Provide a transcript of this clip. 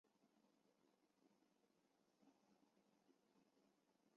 圣马特奥站的车站之一。